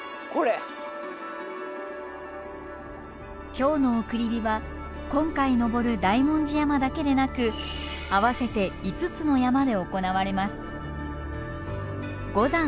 京の送り火は今回登る大文字山だけでなく合わせて５つの山で行われます。